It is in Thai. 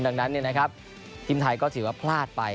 ดังนั้นทีมไทยก็ถือว่าพลาดไป